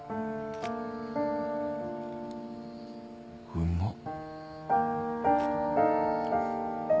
うまっ。